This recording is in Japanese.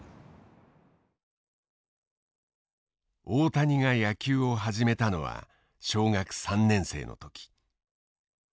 大谷が野球を始めたのは小学３年生の時。